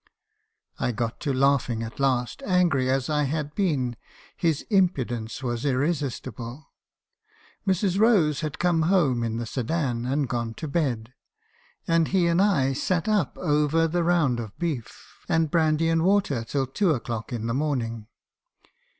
MI got to laughing at last, angry as I had been; his im pudence was irresistible. Mrs. Rose had come home in the sedan , and gone to bed ; and he and I sat up over the round of beef and brandy and water till two o'clock in the morning.